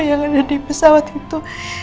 yang ada di pesawat itu